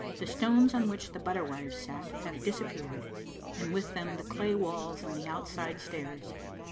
The stones on which the butter wives sat have disappeared, and with them the clay walls and the outside stairs.